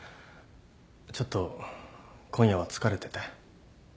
ちょっと今夜は疲れてて。